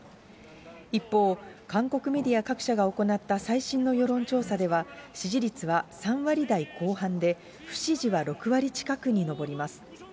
一方、韓国メディア各社が行った最新の世論調査では、支持率は３割台後半で、不支持は６割近くに上ります。